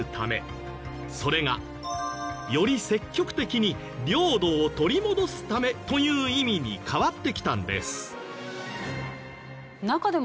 それがより積極的に領土を取り戻すためという意味に変わってきたんです。